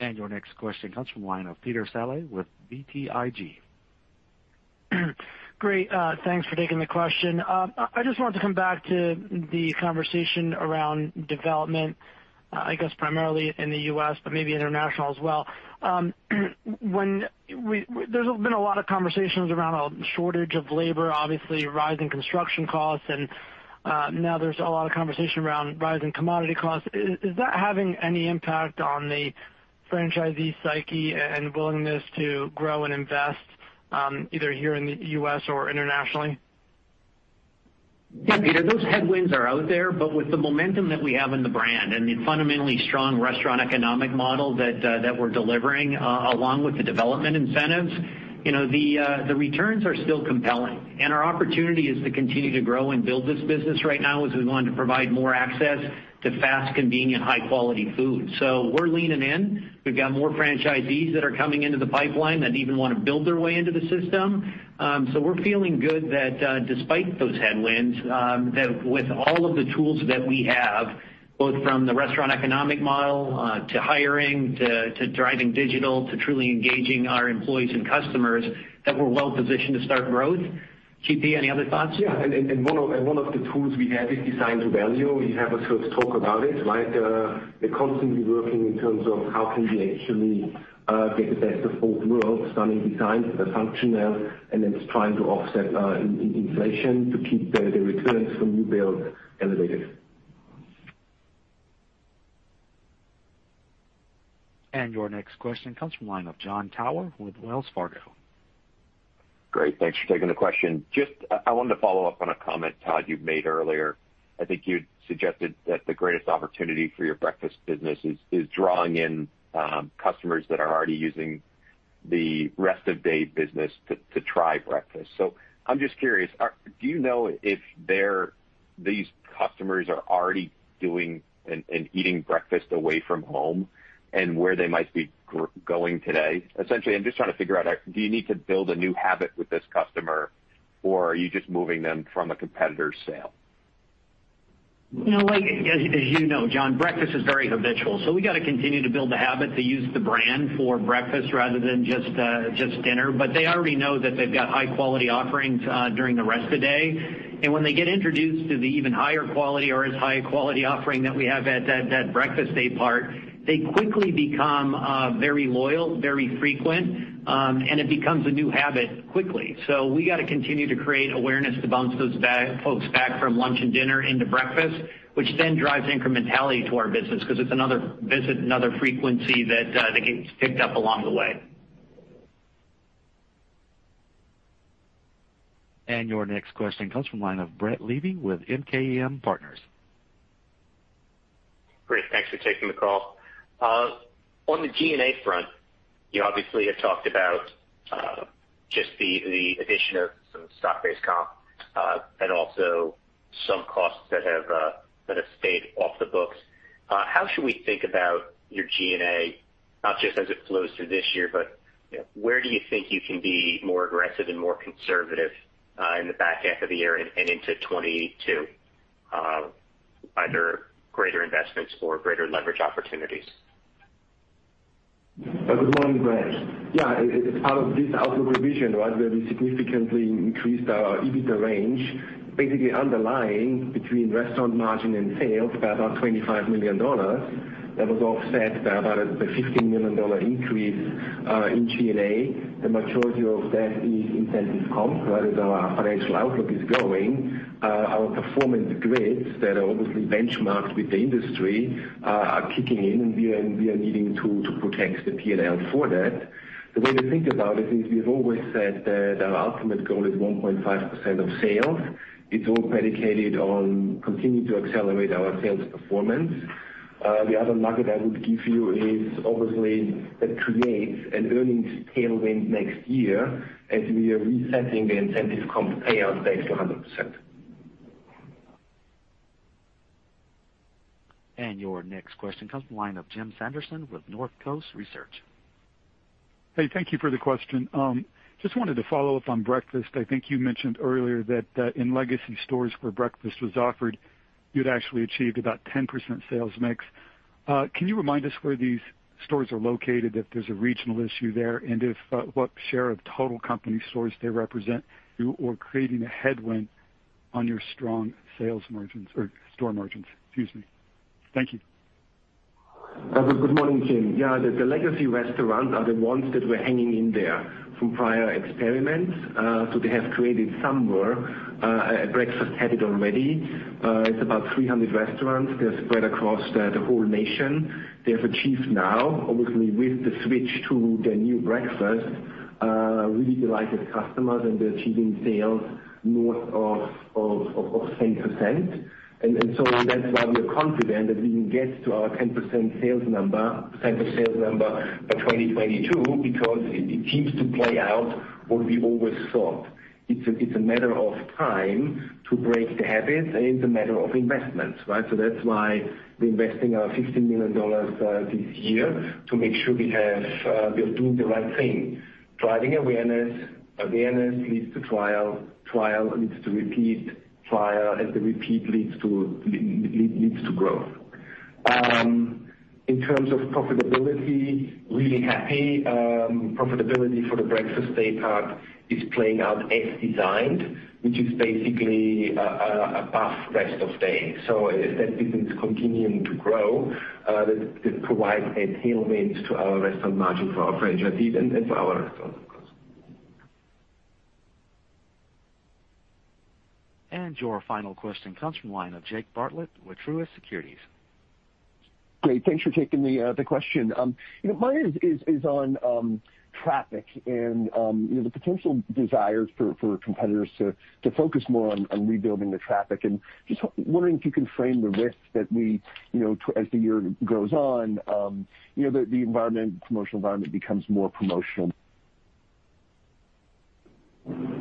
Your next question comes from the line of Peter Saleh with BTIG. Great, thanks for taking the question. I just wanted to come back to the conversation around development, I guess primarily in the U.S., but maybe international as well. There's been a lot of conversations around a shortage of labor, obviously rising construction costs, and now there's a lot of conversation around rising commodity costs. Is that having any impact on the franchisee psyche and willingness to grow and invest, either here in the U.S. or internationally? Peter, those headwinds are out there, but with the momentum that we have in the brand and the fundamentally strong restaurant economic model that we're delivering along with the development incentives, the returns are still compelling. Our opportunity is to continue to grow and build this business right now as we want to provide more access to fast, convenient, high-quality food. We're leaning in. We've got more franchisees that are coming into the pipeline that even want to build their way into the system. We're feeling good that despite those headwinds, that with all of the tools that we have, both from the restaurant economic model to hiring, to driving digital, to truly engaging our employees and customers, that we're well positioned to start growth. GP, any other thoughts? Yeah. One of the tools we have is design to value. We have a first talk about it. We're constantly working in terms of how can we actually get the best of both worlds, stunning design, the functional, and then trying to offset inflation to keep the returns from new build elevated. Your next question comes from the line of Jon Tower with Wells Fargo. Great. Thanks for taking the question. I wanted to follow up on a comment, Todd, you made earlier. I think you suggested that the greatest opportunity for your breakfast business is drawing in customers that are already using the rest of day business to try breakfast. I'm just curious, do you know if these customers are already doing and eating breakfast away from home and where they might be going today? Essentially, I'm just trying to figure out, do you need to build a new habit with this customer, or are you just moving them from a competitor's sale? As you know, John, breakfast is very habitual, so we got to continue to build the habit to use the brand for breakfast rather than just dinner. They already know that they've got high-quality offerings during the rest of the day. When they get introduced to the even higher quality or as high-quality offering that we have at that breakfast day part, they quickly become very loyal, very frequent, and it becomes a new habit quickly. We got to continue to create awareness to bounce those folks back from lunch and dinner into breakfast, which then drives incrementality to our business because it's another visit, another frequency that gets picked up along the way. Your next question comes from the line of Brett Levy with MKM Partners. Great, thanks for taking the call. On the G&A front, you obviously have talked about just the addition of some stock-based comp, and also some costs that have stayed off the books. How should we think about your G&A, not just as it flows through this year, but where do you think you can be more aggressive and more conservative in the back half of the year and into 2022, either greater investments or greater leverage opportunities? Good morning, Brett. As part of this outlook revision where we significantly increased our EBITDA range, basically underlying between restaurant margin and sales by about $25 million. That was offset by about a $15 million increase in G&A. The majority of that is incentive comp. As our financial outlook is growing, our performance grids that are obviously benchmarked with the industry are kicking in, and we are needing to protect the P&L for that. The way to think about it is we've always said that our ultimate goal is 1.5% of sales. It's all predicated on continuing to accelerate our sales performance. The other nugget I would give you is obviously that creates an earnings tailwind next year as we are resetting the incentive comp payout base to 100%. Your next question comes from the line of Jim Salera with Northcoast Research. Hey, thank you for the question. Just wanted to follow up on breakfast. I think you mentioned earlier that in legacy stores where breakfast was offered, you'd actually achieved about 10% sales mix. Can you remind us where these stores are located, if there's a regional issue there, and what share of total company stores they represent, creating a headwind on your strong store margins. Excuse me. Thank you. Good morning, Jim. Yeah, the legacy restaurants are the ones that were hanging in there from prior experiments. They have created somewhere a breakfast habit already. It's about 300 restaurants. They're spread across the whole nation. They have achieved now, obviously, with the switch to the new breakfast, really delighted customers, and they're achieving sales north of 10%. That's why we are confident that we can get to our 10% sales number by 2022, because it seems to play out what we always thought. It's a matter of time to break the habits, and it's a matter of investment. That's why we're investing our $15 million this year to make sure we're doing the right thing. Driving awareness. Awareness leads to trial. Trial leads to repeat. Trial and the repeat leads to growth. In terms of profitability, really happy. Profitability for the breakfast day part is playing out as designed, which is basically above rest of day. That business continuing to grow, that provides a tailwind to our restaurant margin for our franchisees and for our restaurants, of course. Your final question comes from the line of Jake Bartlett with Truist Securities. Great. Thanks for taking the question. Mine is on traffic and the potential desires for competitors to focus more on rebuilding the traffic and just wondering if you can frame the risk that as the year goes on, the promotional environment becomes more promotional.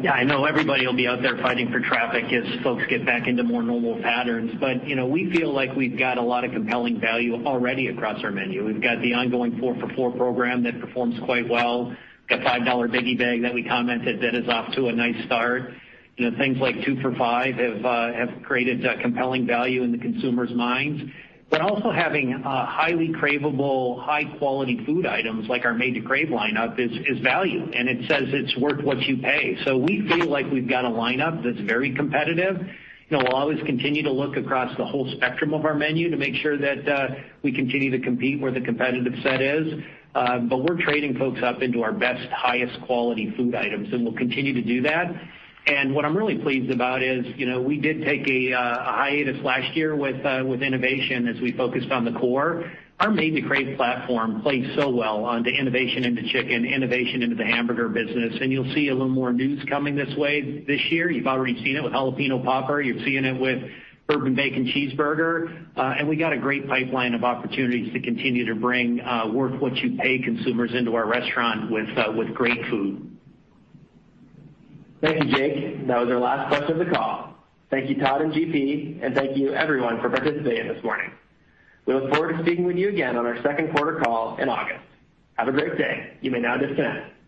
Yeah, I know everybody will be out there fighting for traffic as folks get back into more normal patterns. We feel like we've got a lot of compelling value already across our menu. We've got the ongoing four for four program that performs quite well. Got $5 Biggie Bag that we commented that is off to a nice start. Things like two for five have created compelling value in the consumers' minds. Also having highly craveable, high quality food items like our Made to Crave lineup is value, and it says it's worth what you pay. We feel like we've got a lineup that's very competitive. We'll always continue to look across the whole spectrum of our menu to make sure that we continue to compete where the competitive set is. We're trading folks up into our best, highest quality food items, and we'll continue to do that. What I'm really pleased about is, we did take a hiatus last year with innovation as we focused on the core. Our Made to Crave platform plays so well on the innovation into chicken, innovation into the hamburger business, and you'll see a little more news coming this way this year. You've already seen it with Jalapeño Popper. You're seeing it with Bourbon Bacon Cheeseburger. We got a great pipeline of opportunities to continue to bring worth what you pay consumers into our restaurant with great food. Thank you, Jake. That was our last question of the call. Thank you, Todd and GP, and thank you everyone for participating this morning. We look forward to speaking with you again on our second quarter call in August. Have a great day. You may now disconnect.